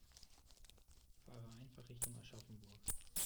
Fahre einfach Richtung Aschaffenburg